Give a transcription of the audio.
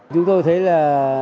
chúng tôi thấy là